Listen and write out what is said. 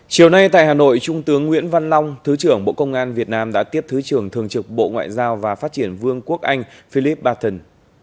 chiều nay tại hà nội trung tướng nguyễn văn long thứ trưởng bộ công an việt nam đã tiếp thứ trưởng thường trực bộ ngoại giao và phát triển vương quốc anh philip barton